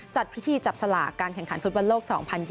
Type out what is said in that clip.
จัดพิธีจับสลากการแข่งขันฟุตบอลโลก๒๐๒๐